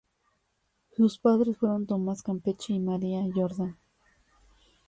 Sus padres fueron Tomás Campeche y María Jordán.